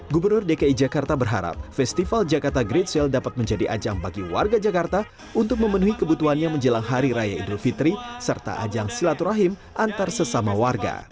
gubernur dki jakarta berharap festival jakarta great sale dapat menjadi ajang bagi warga jakarta untuk memenuhi kebutuhannya menjelang hari raya idul fitri serta ajang silaturahim antar sesama warga